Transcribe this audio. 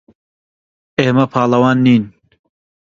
ئێمە پاڵەوان نین.